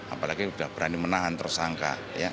apalagi berani menahan tersangka